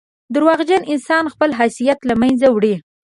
• دروغجن انسان خپل حیثیت له منځه وړي.